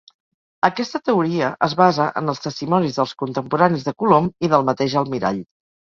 Aquesta teoria es basa en els testimonis dels contemporanis de Colom i del mateix almirall.